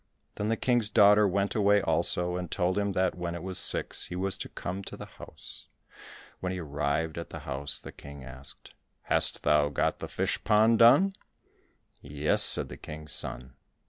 Then the King's daughter went away also, and told him that when it was six he was to come to the house. When he arrived at the house the King asked, "Hast thou got the fish pond done?" "Yes," said the King's son.